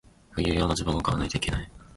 冬用のズボンを買わないといけない。